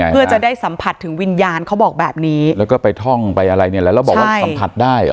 เพื่อจะได้สัมผัสถึงวิญญาณเขาบอกแบบนี้แล้วก็ไปท่องไปอะไรเนี่ยแหละแล้วบอกว่าสัมผัสได้เหรอ